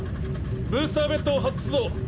ブースターベッドを外すぞ。